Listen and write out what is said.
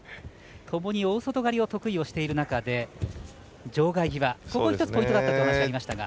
ともに大外刈りを得意としている中で場外際、ここ１つポイントだったとおっしゃいましたが。